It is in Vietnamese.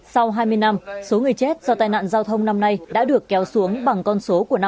sau hai mươi năm số người chết do tai nạn giao thông năm nay đã được kéo xuống bằng con số của năm hai nghìn hai